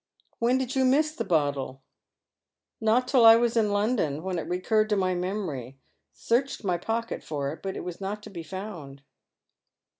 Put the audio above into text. " When did you miss the bottle ?"" Not till I was in London, when it recurred to my memory. . searched my pocket for it, but it was not to be found."